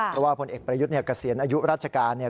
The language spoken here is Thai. ก็ว่าผลเอกประยุทธ์เนี่ยกระเศียรอายุราชการเนี่ย